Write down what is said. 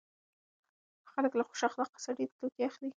خلک له خوش اخلاقه سړي توکي اخلي.